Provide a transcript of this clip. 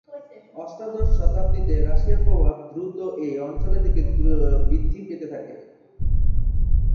অষ্টাদশ শতাব্দিতে, রাশিয়ার প্রভাব দ্রুত এই অঞ্চলের দিকে বৃদ্ধি পেতে থাকে।